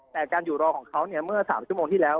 แต่การอยู่รอของเขาเมื่อ๓ชั่วโมงที่แล้ว